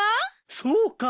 そうか。